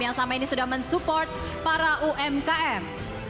yang selama ini sudah mensupport para umkm